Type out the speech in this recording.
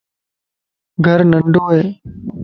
گھر ننڍو ائي